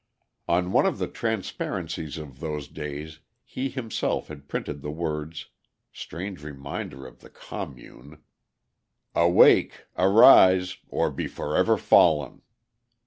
On one of the transparencies of those days he himself had printed the words (strange reminder of the Commune!): "Awake! arise! or be forever fallen."